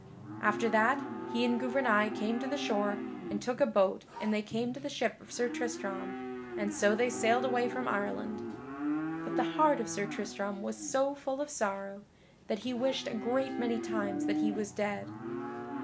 After that, he and Gouvernail came to the shore and took a boat and they came to the ship of Sir Tristram, and so they sailed away from Ireland. But the heart of Sir Tristram was so full of sorrow that he wished a great many times that he was dead.